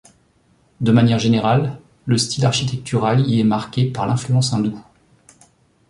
De manière générale, le style architectural y est marqué par l'influence hindoue.